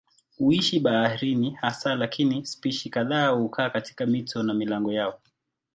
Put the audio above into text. Huishi baharini hasa lakini spishi kadhaa hukaa katika mito na milango yao.